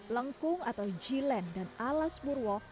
lengkung atau jilen dan alaspurwo